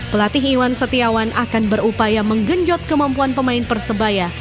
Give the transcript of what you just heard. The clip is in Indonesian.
pelatih iwan setiawan akan berupaya menggenjot kemampuan pemain persebaya